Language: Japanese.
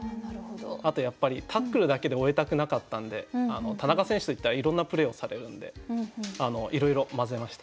あとやっぱりタックルだけで終えたくなかったんで田中選手といったらいろんなプレーをされるんでいろいろまぜました。